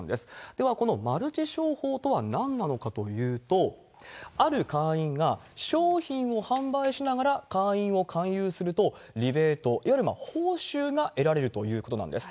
ではこのマルチ商法とはなんなのかというと、ある会員が商品を販売しながら会員を勧誘すると、リベート、いわゆる報酬が得られるということなんです。